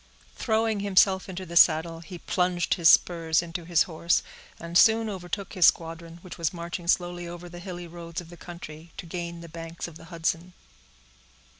Throwing himself into the saddle, he plunged his spurs into his horse, and soon overtook his squadron, which was marching slowly over the hilly roads of the county, to gain the banks of the Hudson.